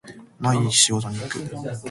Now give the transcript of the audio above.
毎日仕事に行く